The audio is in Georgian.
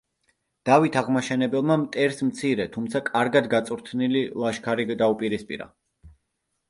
დავით აღმაშენებელმა მტერს მცირე, თუმცა კარგად გაწვრთნილი ლაშქარი დაუპირისპირა.